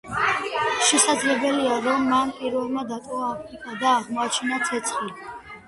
შესაძლებელია რომ მან პირველმა დატოვა აფრიკა და აღმოაჩინა ცეცხლი.